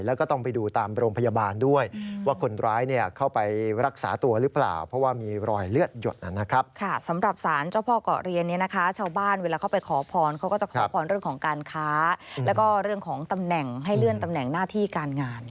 เรื่องของการค้าและเรื่องของตำแหน่งให้เลื่อนตำแหน่งหน้าที่การงาน